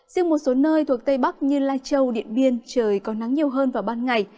riêng một số nơi thuộc tây bắc như lai châu điện biên trời có nắng nhiều hơn vào ban ngày